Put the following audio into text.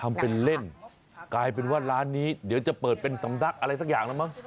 ทำเป็นเล่นกลายเป็นว่าร้านนี้เดี๋ยวจะเปิดเป็นสำนักอะไรสักอย่างแล้วมั้ง